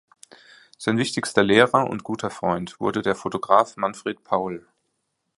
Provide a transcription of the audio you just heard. Sein wichtigster Lehrer und guter Freund wurde der Fotograf Manfred Paul.